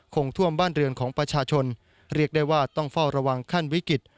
คงท่วมบ้านเรือนของประชาชนเรียกได้ว่าต้องเฝ้าระวังขั้นวิกฤต